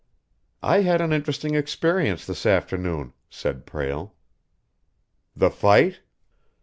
"I had an interesting experience this afternoon," said Prale. "The fight?"